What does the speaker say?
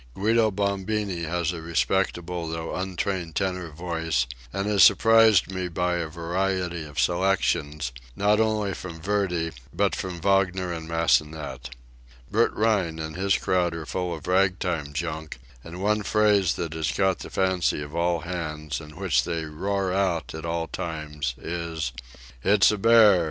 Guido Bombini has a respectable though untrained tenor voice, and has surprised me by a variety of selections, not only from Verdi, but from Wagner and Massenet. Bert Rhine and his crowd are full of rag time junk, and one phrase that has caught the fancy of all hands, and which they roar out at all times, is: "It's a bear!